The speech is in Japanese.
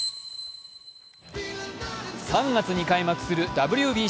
３月に開幕するＷＢＣ。